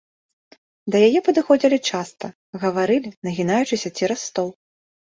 Да яе падыходзілі часта, гаварылі, нагінаючыся цераз стол.